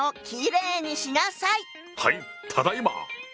はいただいま！